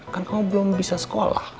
kan kamu belum bisa sekolah